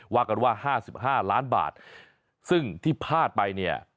ว่ากันว่า๕๕ล้านบาทซึ่งที่พลาดไปเนี่ย